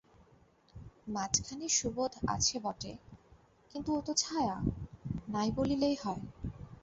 মাঝখানে সুবোধ আছে বটে, কিন্তু ও তো ছায়া, নাই বলিলেই হয়।